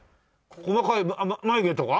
細かい眉毛とか？